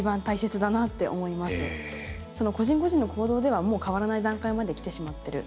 個人個人の行動ではもう変わらない段階まできてしまってる。